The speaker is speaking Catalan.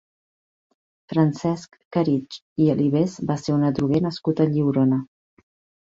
Francesc Caritg i Alibés va ser un adroguer nascut a Lliurona.